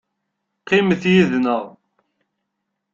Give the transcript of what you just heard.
Qqimet yid-nneɣ.